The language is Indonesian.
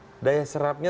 realisasi daya serapnya